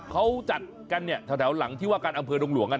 เขาจัดกันเนี่ยแถวหลังที่ว่าการอำเภอดงหลวง